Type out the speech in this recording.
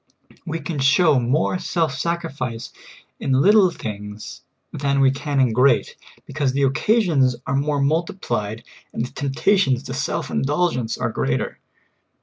We can show more self sacrifice in little things than we can in great ; because the occasions are more mul tiplied and the temptations to self indulgence are greater.